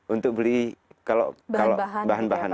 untuk beli bahan bahan